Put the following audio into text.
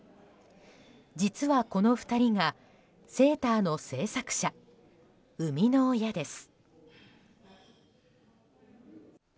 実はこの２人がセーターの製作者生みの親です。